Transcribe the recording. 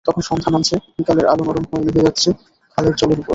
তখন সন্ধ্যা নামছে, বিকেলের আলো নরম হয়ে নিভে যাচ্ছে খালের জলের ওপর।